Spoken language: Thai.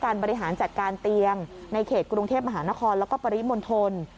บริหารจัดการเตียงในเขตกรุงเทพมหานครแล้วก็ปริมณฑล